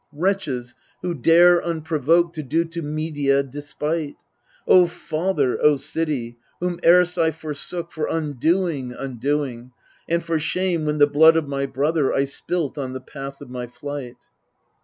Wretches, who dare unprovoked to do to Medea de spite ! O father, O city, whom erst I forsook, for undoing, un doing, . And for shame, when the blood of my brother I spilt on the path of my flight